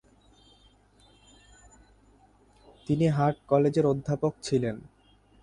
তিনি হাট কলেজের অধ্যাপক ছিলেন।